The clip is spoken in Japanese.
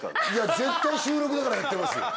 絶対収録だからやってますよ。